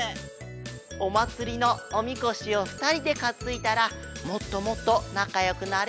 おまつりのおみこしをふたりでかついだらもっともっとなかよくなれるでしょ？